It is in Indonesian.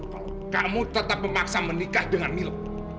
kalau kamu tetap memaksa menikah dengan mil